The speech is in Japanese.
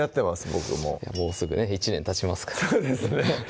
僕もうもうすぐね１年たちますからそうですね